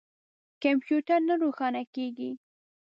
کمپیوټر نه روښانه کیږي